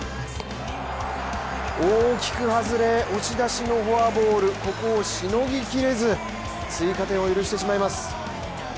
大きく外れ、押し出しのフォアボールを凌ぎきれず、追加点を許してしまいます。